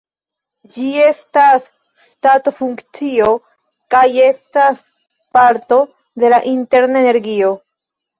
Ĝi estas stato-funkcio kaj estas parto de la interna energio.